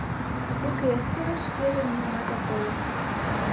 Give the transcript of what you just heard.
— Уке, тудо шкеже нимомат ок ойло.